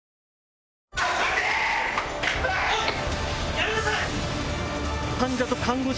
・やめなさい！